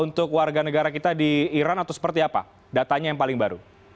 untuk warga negara kita di iran atau seperti apa datanya yang paling baru